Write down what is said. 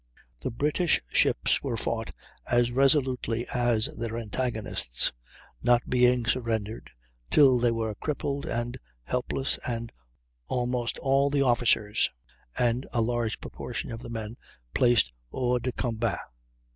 The British ships were fought as resolutely as their antagonists, not being surrendered till they were crippled and helpless, and almost all the officers, and a large proportion of the men placed hors de combat.